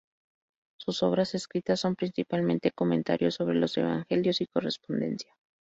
Sus obras escritas son principalmente comentarios sobre los evangelios y correspondencia.